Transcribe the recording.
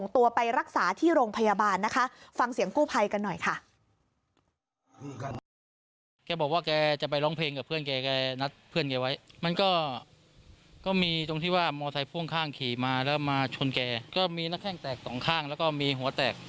ที่โรงพยาบาลนะคะฟังเสียงกู้ไพกันหน่อยค่ะ